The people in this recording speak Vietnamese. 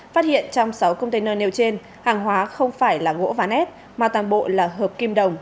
phát hiện trong sáu container nêu trên hàng hóa không phải là gỗ ván ép mà toàn bộ là hợp kim đồng